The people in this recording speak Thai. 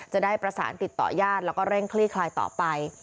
จะได้ประสานติดต่อญาติแล้วก็เร่งคลี่คลายต่อไป